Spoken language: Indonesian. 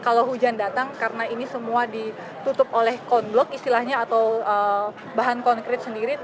kalau hujan datang karena ini semua ditutup oleh konblok istilahnya atau bahan konkret sendiri